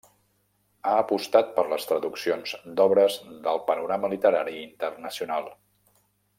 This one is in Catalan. Ha apostat per les traduccions d'obres del panorama literari internacional.